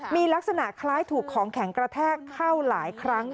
มีลักษณะคล้ายถูกของแข็งกระแทกเข้าหลายครั้ง